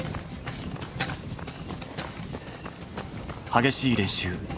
激しい練習。